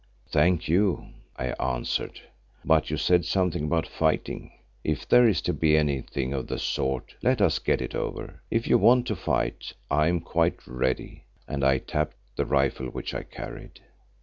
"Thank you," I answered, "but you said something about fighting. If there is to be anything of the sort, let us get it over. If you want to fight, I am quite ready," and I tapped the rifle which I carried.